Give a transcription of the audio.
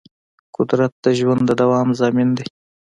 قدرت د ژوند د دوام ضامن دی.